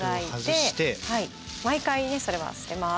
毎回それは捨てます。